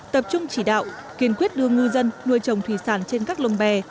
tập trung chỉ đạo kiên quyết đưa ngư dân nuôi trồng thủy sản trên các lồng bè